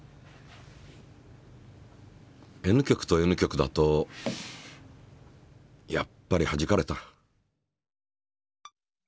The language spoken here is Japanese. Ｎ極とＮ極だとやっぱりはじかれた。